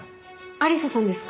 愛理沙さんですか？